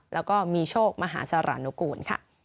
และก็มีโชคมหาสรานกุล